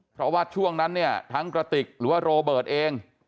เพราะว่าช่วงนั้นเนี่ยทั้งกระติกหรือว่าโรเบิร์ตเอง